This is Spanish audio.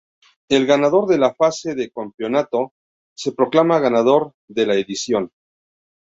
El ganador de la fase de campeonato se proclama ganador de la edición.